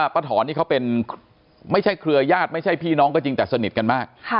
ถอนนี่เขาเป็นไม่ใช่เครือญาติไม่ใช่พี่น้องก็จริงแต่สนิทกันมาก